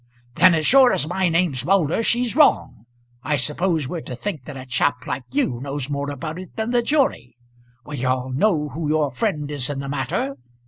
"Then as sure as my name's Moulder she's wrong. I suppose we're to think that a chap like you knows more about it than the jury! We all know who your friend is in the matter.